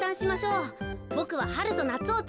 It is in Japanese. ボクははるとなつをつくります。